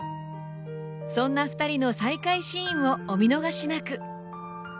そんな二人の再会シーンをお見逃しなく！